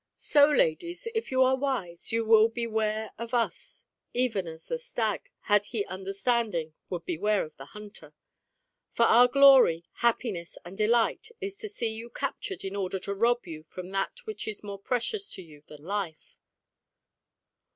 4 " So, ladies, if you are wisej you will beware of us even as the stag, had he understanding, would beware of the hunter; for our glory, happiness, and delight is to see you captured in order to rob you of that which is more precious to you than life."